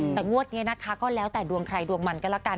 แต่มวตไงก็แล้วแต่ดวงใครดวงมันกันก็แล้วกัน